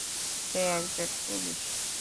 সে একজন পুলিশ।